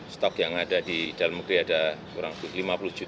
setelah alam alam langit di mana itu